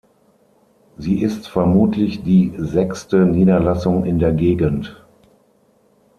Sie ist vermutlich die sechste Niederlassung in der Gegend.